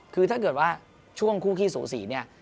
คือถ้าเกิดว่าช่วงคู่ขี้สูสีเนี่ย